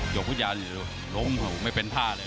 ยกวุฒิยาที่ล้มไม่เป็นท่าเลย